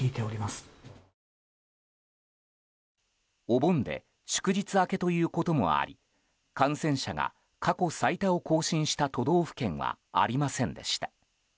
お盆で祝日明けということもあり感染者が過去最多を更新した都道府県はありませんでした。